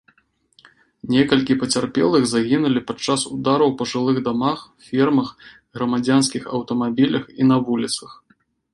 Некалькі пацярпелых загінулі падчас удараў па жылых дамах, фермах, грамадзянскіх аўтамабілях і на вуліцах.